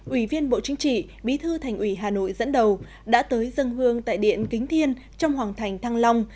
ủy viên bộ chính trị bí thư thành ủy hà nội dẫn đầu đã tới dân hương tại điện kính thiên trong hoàng thành thăng long